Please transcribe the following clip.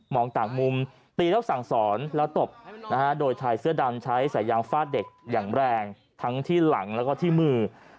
ต่างมุมตีแล้วสั่งสอนแล้วตบโดยชายเสื้อดำใช้สายยางฟาดเด็กอย่างแรงทั้งที่หลังแล้วก็ที่มือ